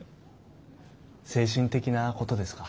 精神的なことですか？